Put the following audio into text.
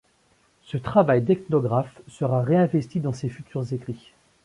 Ce travail d’ethnographe sera réinvesti dans ses futurs écrits.